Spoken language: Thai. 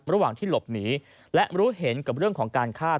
ระหว่างที่หลบหนีและรู้เห็นกับเรื่องของการฆ่า